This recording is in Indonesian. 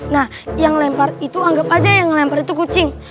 nah yang lempar itu anggap aja yang lempar itu kucing